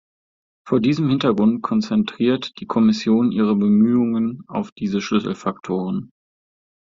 Vor diesem Hintergrund konzentriert die Kommission ihre Bemühungen auf diese Schlüsselfaktoren.